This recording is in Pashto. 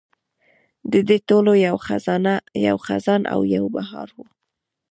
د دې ټولو یو خزان او یو بهار و.